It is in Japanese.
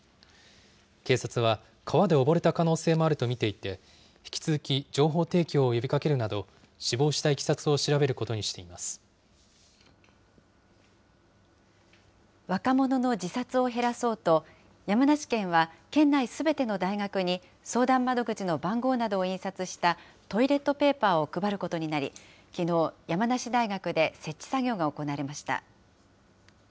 警察は、川で溺れた可能性もあると見ていて、引き続き情報提供を呼びかけるなど、死亡したいきさ若者の自殺を減らそうと、山梨県は県内すべての大学に相談窓口の番号などを印刷したトイレットペーパーを配ることになり、きのう、山梨大学で設置作業が行われました。